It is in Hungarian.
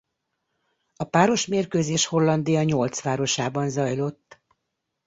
A párosmérkőzés Hollandia nyolc városában zajlott.